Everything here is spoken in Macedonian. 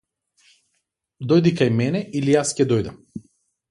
Дојди кај мене или јас ќе дојдам.